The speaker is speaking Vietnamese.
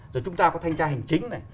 rồi chúng ta có thanh tra hình chính này